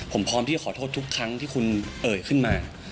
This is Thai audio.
ผมพร้อมที่จะขอโทษทุกครั้งที่คุณเอ่ยขึ้นมา